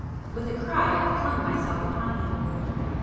With a cry I flung myself upon him.